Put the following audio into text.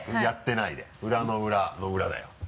やってないで裏の裏の裏だよ。